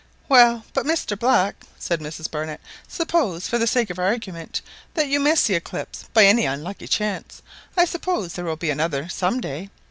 "Well, but, Mr Black," said Mrs Barnett, "suppose, for the sake of argument, that you miss this eclipse by any unlucky chance, I suppose there will be another some day.